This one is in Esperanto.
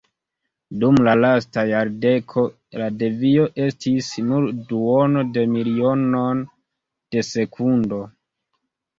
Dum la lasta jardeko la devio estis nur duono de milionono de sekundo.